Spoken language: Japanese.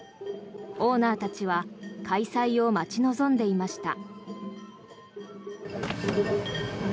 オーナーたちは開催を待ち望んでいました。